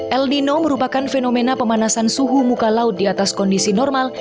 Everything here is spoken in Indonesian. el nino merupakan fenomena pemanasan suhu muka laut di atas kondisi normal